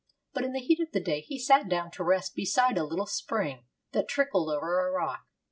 But in the heat of the day he sat down to rest beside a little spring that trickled over a rock.